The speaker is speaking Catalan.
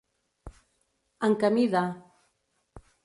En camí de.